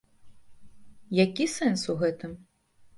Які сэнс у гэтым?